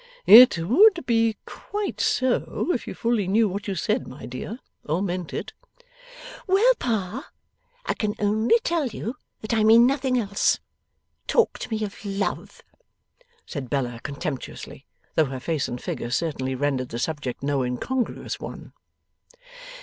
'It would be quite so, if you fully knew what you said, my dear, or meant it.' 'Well, Pa, I can only tell you that I mean nothing else. Talk to me of love!' said Bella, contemptuously: though her face and figure certainly rendered the subject no incongruous one.